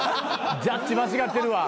ジャッジ間違ってるわ。